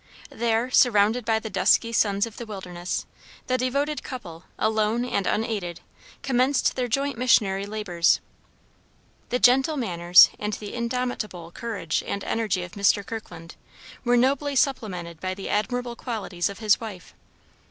There, surrounded by the dusky sons of the wilderness, the devoted couple, alone and unaided, commenced their joint missionary labors. The gentle manners and the indomitable courage and energy of Mr. Kirkland, were nobly supplemented by the admirable qualities of his wife.